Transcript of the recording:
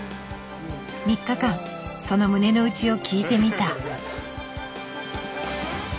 ３日間その胸の内を聞いてみた。